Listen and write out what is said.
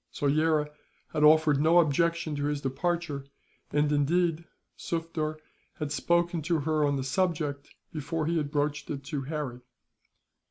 Soyera had offered no objection to his departure and, indeed, Sufder had spoken to her on the subject, before he had broached it to Harry.